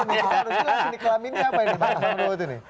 kita harus pilih di kelaminnya apa yang di bahas sama rut ini